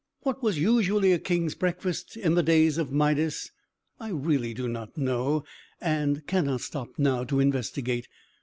What was usually a king's breakfast in the days of Midas, I really do not know, and cannot stop now to investigate.